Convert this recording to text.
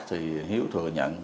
thì hiếu thừa nhận